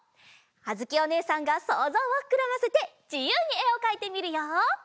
あづきおねえさんがそうぞうをふくらませてじゆうにえをかいてみるよ！